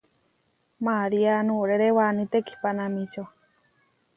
María nuʼrére Waní tekihpanamíčio.